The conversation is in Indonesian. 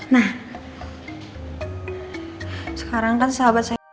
nah sekarang kan sahabat saya udah mati